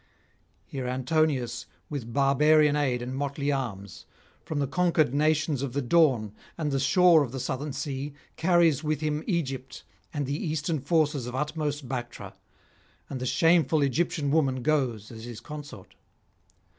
Here Antonius with barbarian aid and motley arms, from the conquered nations of the Dawn and the shore of the southern sea, carries with him Egypt and the Eastern forces of utmost Bactra, and the shameful Egyptian woman goes as his consort.